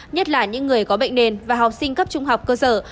nhất là những người có bệnh nền và học sinh cấp trung học cơ sở